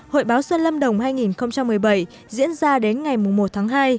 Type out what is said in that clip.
hội báo xuân lâm đồng hai nghìn một mươi bảy diễn ra đến ngày một tháng hai